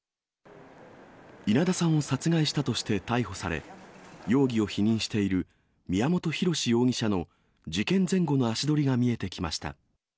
稲田さんを殺害したとして逮捕され、容疑を否認している宮本浩志容疑者の事件前後の足取りが見えてきました。